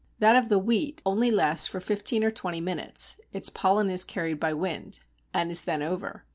That of the Wheat only lasts for fifteen or twenty minutes (its pollen is carried by wind), and is then over.